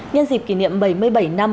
nhân dịp kỷ niệm bảy mươi bảy năm